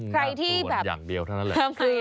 ใครที่แบบอย่างเดียวเท่านั้นแหละ